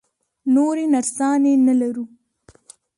نورې نرسانې نه لرو؟